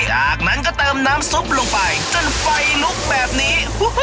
จากนั้นก็เติมน้ำซุปลงไปจนไฟลุกแบบนี้